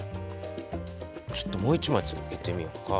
ちょっともう１枚つけてみよっか。